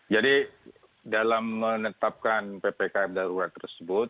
jadi dalam menetapkan ppkm darurat tersebut